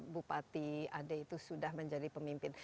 bupati ade itu sudah menjadi pemimpin